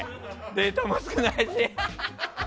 デートも少ないし。